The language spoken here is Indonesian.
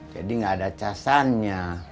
jadi nggak ada casannya